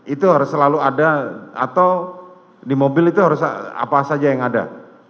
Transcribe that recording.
itu harus selalu ada atau di mobil itu harus apa saja yang ada